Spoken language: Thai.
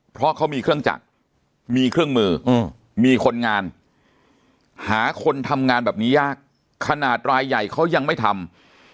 เพราะเขามีเครื่องจักรมีเครื่องมือมีคนงานหาคนทำงานแบบนี้ยากขนาดรายใหญ่เขายังไม่ทำ